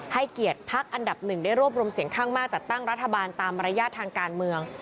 ให้เกียรติพักอันดับหนึ่งได้รวบรวมเสียงข้างมากจัดตั้งรัฐบาลตามมารยาททางการเมือง